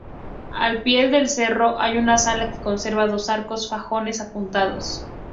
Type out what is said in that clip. Al pie del cerro hay una sala, que conserva dos arcos fajones apuntados.